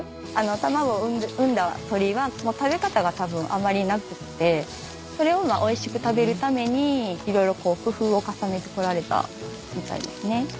卵を産んだ鶏は食べ方がたぶんあまりなくってそれをおいしく食べるために色々工夫を重ねてこられたみたいですね。